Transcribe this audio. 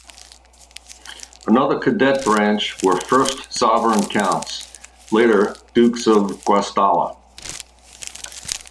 Another cadet branch were first sovereign counts, later dukes of Guastalla.